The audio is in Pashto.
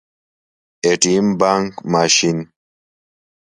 🏧 بانګ ماشین